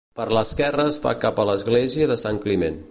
Per l'esquerra es fa cap a l'església de Sant Climent.